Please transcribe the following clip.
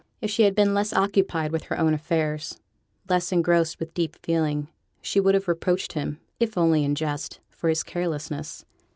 If she had been less occupied with her own affairs, less engrossed with deep feeling, she would have reproached him, if only in jest, for his carelessness.